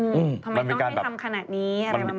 ทำไมต้องให้ทำขนาดนี้อะไรประมาณนั้น